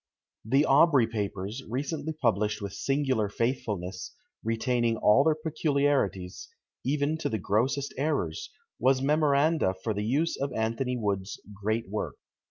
The Aubrey Papers, recently published with singular faithfulness, retaining all their peculiarities, even to the grossest errors, were memoranda for the use of Anthony Wood's great work.